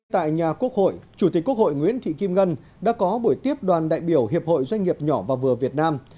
tại nhà quốc hội chủ tịch quốc hội nguyễn thị kim ngân đã có buổi tiếp đoàn đại biểu hiệp hội doanh nghiệp nhỏ và vừa việt nam